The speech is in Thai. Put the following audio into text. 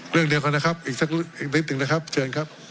เรื่องเดียวกันนะครับอีกสักอีกนิดหนึ่งนะครับเชิญครับ